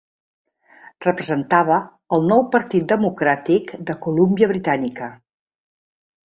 Representava el Nou Partit Democràtic de Colúmbia Britànica.